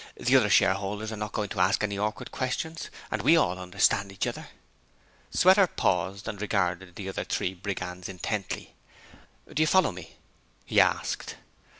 The other shareholders are not going to ask any awkward questions, and we all understand each other.' Sweater paused, and regarded the other three brigands intently. 'Do you follow me?' he asked.